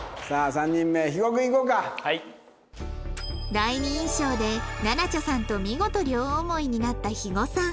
第二印象でなな茶さんと見事両思いになった肥後さん